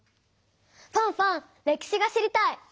ファンファン歴史が知りたい！